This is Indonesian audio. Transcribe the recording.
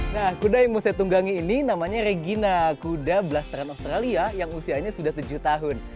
nah kuda yang mau saya tunggangi ini namanya regina kuda blastrans australia yang usianya sudah tujuh tahun